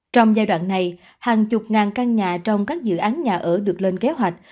trong giai đoạn này hàng chục ngàn căn nhà trong các dự án nhà ở được lên kế hoạch